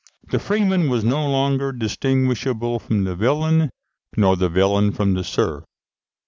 The freeman was no longer distinguishable from the villain, nor the villain from the serf.